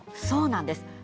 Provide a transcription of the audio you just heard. そうなんです。